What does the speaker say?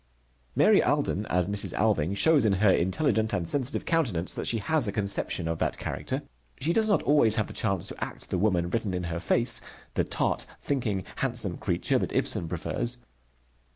Mary Alden as Mrs. Alving shows in her intelligent and sensitive countenance that she has a conception of that character. She does not always have the chance to act the woman written in her face, the tart, thinking, handsome creature that Ibsen prefers.